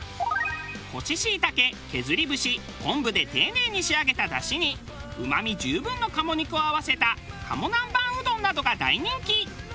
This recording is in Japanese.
干ししいたけ削り節昆布で丁寧に仕上げた出汁にうまみ十分の鴨肉を合わせた鴨南蛮うどんなどが大人気。